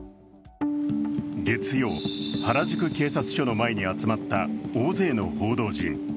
月曜、原宿警察署の前に集まった大勢の報道陣。